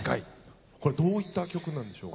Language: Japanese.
これどういった曲なんでしょう？